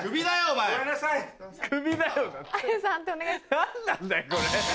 何なんだよこれ。